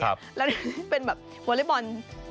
แล้วเป็นแบบวอเล็กบอล